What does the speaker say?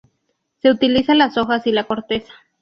Se utiliza las hojas y la corteza.